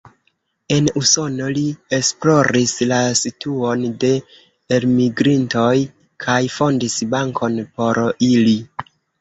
En Usono li esploris la situon de elmigrintoj kaj fondis bankon por ili.